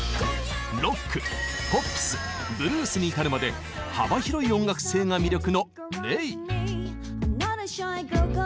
ロックポップスブルースに至るまで幅広い音楽性が魅力のＲｅｉ。